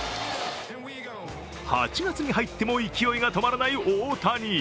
８月に入っても勢いが止まらない大谷。